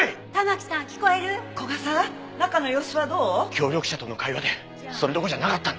協力者との会話でそれどころじゃなかったんだ。